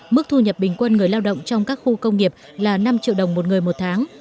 mức thu nhập bình quân người lao động trong các khu công nghiệp là năm triệu đồng một người một tháng